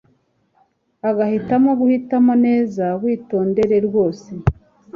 ugahitamo guhitamo neza Witondere rwose